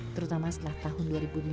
terutama setelah tahun dua ribu lima belas